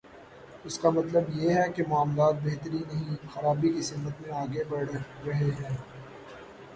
اس کا مطلب یہ ہے کہ معاملات بہتری نہیں، خرابی کی سمت میں آگے بڑھ رہے ہیں۔